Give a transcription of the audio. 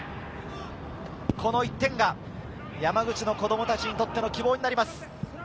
この１点が山口の子供たちにとっての希望になります。